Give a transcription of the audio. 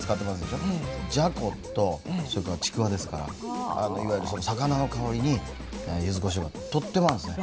じゃことそれからちくわですからいわゆるその魚の香りに柚子こしょうがとっても合うんですね。